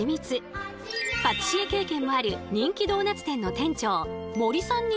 パティシエ経験もある人気ドーナツ店の店長森さんによると。